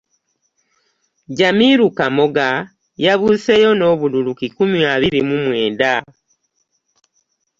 Jamiru Kamoga yabuuseeyo n'obululu kikumi abiri mu mwenda